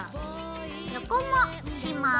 横もします。